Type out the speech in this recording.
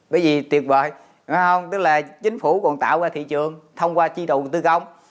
cái gì tuyệt vời không tức là chính phủ còn tạo ra thị trường thông qua chi đầu tư không